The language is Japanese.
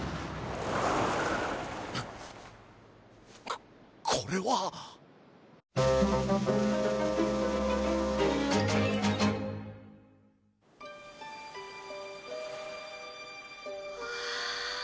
あっここれは！わあ。